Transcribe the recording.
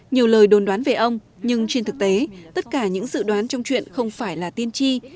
nhiều lời đồn đoán về ông nhưng trên thực tế tất cả những dự đoán trong chuyện không phải là tiên tri